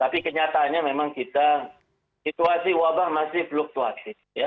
tapi kenyataannya memang kita situasi wabah masih fluktuatif